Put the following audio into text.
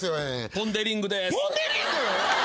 ポン・デ・リング！？